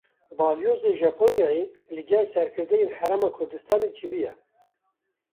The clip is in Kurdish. Balyozê Japonyayê li gel serkirdeyên Herêma Kurdistanê civiya.